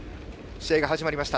試合が始まりました。